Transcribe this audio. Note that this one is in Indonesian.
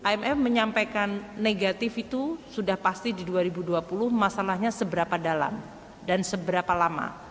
imf menyampaikan negatif itu sudah pasti di dua ribu dua puluh masalahnya seberapa dalam dan seberapa lama